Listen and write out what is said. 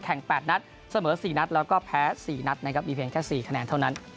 ๘นัดเสมอ๔นัดแล้วก็แพ้๔นัดนะครับมีเพียงแค่๔คะแนนเท่านั้น